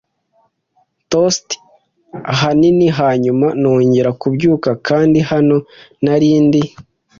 toast, ahanini - hanyuma nongera kubyuka, kandi hano nari ndi. ”